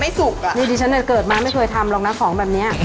ไม่สุกดีเช่นนี่เกิดมาไม่เคยทำรองรักของแบบนี้